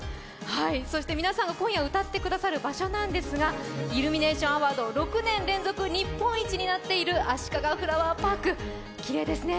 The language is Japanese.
そして皆さんが今夜歌ってくださる場所なんですがイルミネーションアワード６年連続日本一になっているあしかがフラワーパーク、きれいですね。